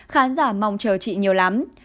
khán giả mong chờ chị nhiều lắm